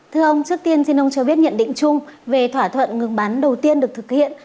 thưa ông trước tiên xin ông cho biết nhận định chung về thỏa thuận ngừng bắn đầu tiên được thực hiện